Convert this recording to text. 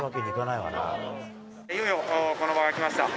いよいよこの場が来ました。